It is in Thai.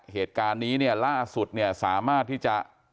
เหตุการณ์นี้เนี่ยล่าสุดเนี่ยสามารถที่จะ